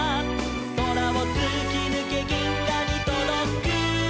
「そらをつきぬけぎんがにとどく」